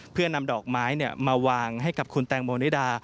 เพื่อนำดอกไม้มาวางให้กับคุณแตงโมนิดา